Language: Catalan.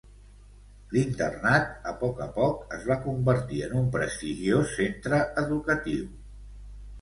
L'internat, a poc a poc, es va convertir en un prestigiós centre educatiu.